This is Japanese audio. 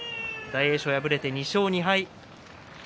大栄翔、敗れて２勝２敗です。